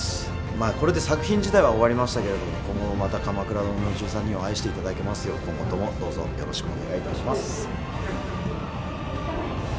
これで作品自体は終わりましたけれども今後もまた「鎌倉殿の１３人」を愛していただけますよう今後ともどうぞよろしくお願いいたします。